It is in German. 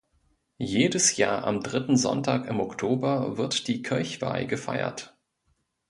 Jedes Jahr am dritten Sonntag im Oktober wird die Kirchweih gefeiert.